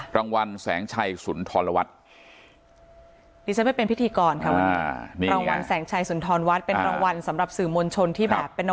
รางวัลแสงชัยศุนย์ธรวรรณวัตน์